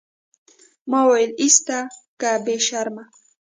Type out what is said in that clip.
ما وويل ايسته که بې شرمه.